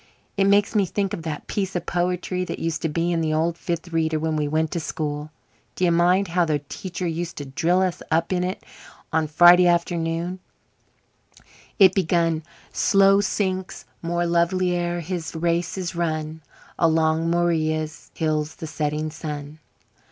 "It makes me think of that piece of poetry that used to be in the old Fifth Reader when we went to school. D'ye mind how the teacher used to drill us up in it on Friday afternoons? It begun 'Slow sinks more lovely ere his race is run Along Morea's hills the setting sun.'"